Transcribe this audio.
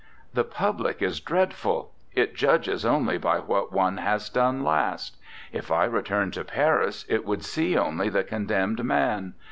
"The public is dreadful; it judges only by what one has done last. If I returned to Paris it would see only the condemned man.